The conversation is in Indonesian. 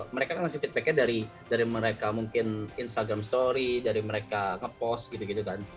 mereka ngasih feedbacknya dari mereka mungkin instagram story dari mereka ngepost gitu gitu kan